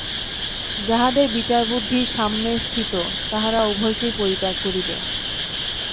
যাহাদের বিচারবুদ্ধি সাম্যে স্থিত, তাহারা উভয়কেই পরিত্যাগ করিবে।